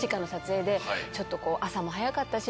ちょっと朝も早かったし。